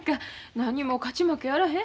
なにも勝ち負けやあらへん。